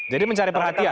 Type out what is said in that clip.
jadi mencari perhatian